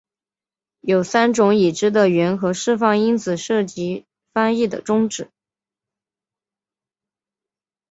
有三种已知的原核释放因子涉及翻译的终止。